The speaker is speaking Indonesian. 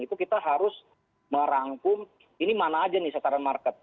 itu kita harus merangkum ini mana aja nih sasaran market